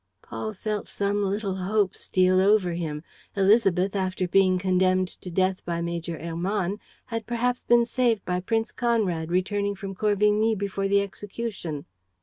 ..." Paul felt some little hope steal over him. Élisabeth, after being condemned to death by Major Hermann, had perhaps been saved by Prince Conrad, returning from Corvigny before the execution.